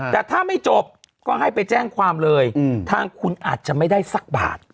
แต่ถ้าไม่จบก็ให้ไปแจ้งความเลยทางคุณอาจจะไม่ได้สักบาท